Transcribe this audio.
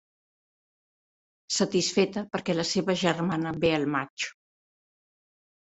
Satisfeta perquè la seua germana ve al maig.